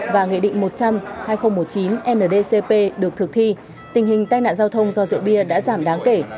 và nghị định một trăm linh hai nghìn một mươi chín ndcp được thực thi tình hình tai nạn giao thông do rượu bia đã giảm đáng kể